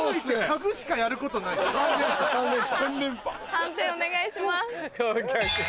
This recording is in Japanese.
判定お願いします。